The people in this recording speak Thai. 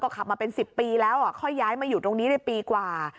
ขับมาเป็น๑๐ปีแล้วค่อยย้ายมาอยู่ตรงนี้ได้ปีกว่า